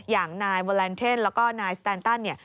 อย่างนายวอแลนเทนแล้วก็นายสแตนตันเนี่ย